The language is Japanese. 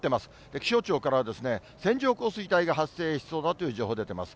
気象庁からは、線状降水帯が発生しそうだという情報出てます。